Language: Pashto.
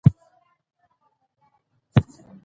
ستونزې شته خو حل لري.